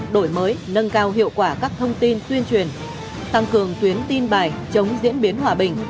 đổi mới nâng cao hiệu quả các thông tin tuyên truyền tăng cường tuyến tin bài chống diễn biến hòa bình